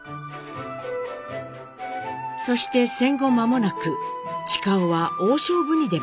そして戦後間もなく親男は大勝負に出ます。